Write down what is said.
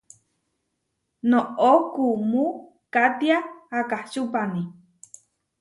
Noʼó kuumú katiá akáʼčupani.